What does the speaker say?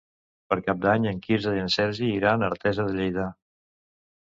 Per Cap d'Any en Quirze i en Sergi iran a Artesa de Lleida.